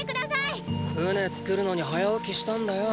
船作るのに早起きしたんだよ。